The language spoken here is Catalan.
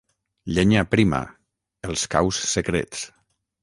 Llenya Prima, Els caus secrets.